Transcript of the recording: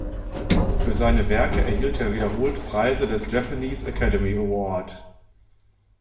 Für seine Werke erhielt er wiederholt Preise des Japanese Academy Award.